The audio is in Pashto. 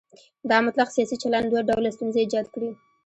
دا مطلق سیاسي چلن دوه ډوله ستونزې ایجاد کړي.